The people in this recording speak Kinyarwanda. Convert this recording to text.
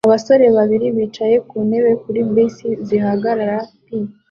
Abagore babiri bicaye ku ntebe kuri bisi zihagarara p